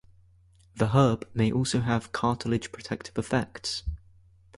The herb may also have cartilage protective effects.